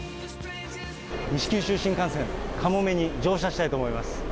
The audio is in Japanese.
西九州新幹線かもめに乗車したいと思います。